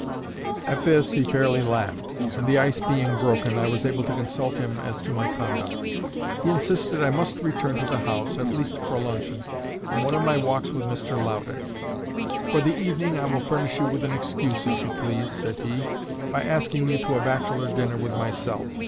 At this, he fairly laughed; and, the ice being broken, I was able to consult him as to my conduct. He insisted I must return to the house, at least, for luncheon, and one of my walks with Mr. Loudon. "For the evening, I will furnish you with an excuse, if you please," said he, "by asking you to a bachelor dinner with myself.